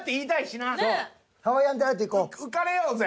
浮かれようぜ。